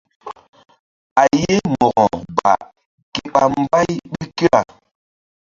A ye Mo̧ko ba ke ɓa mbay ɓil kira.